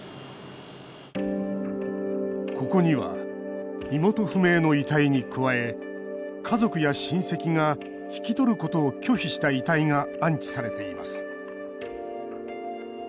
ここには、身元不明の遺体に加え家族や親戚が引き取ることを拒否した遺体が安置されています。